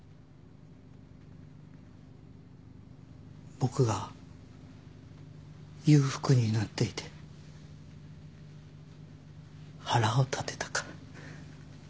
僕が裕福になっていて腹を立てたか。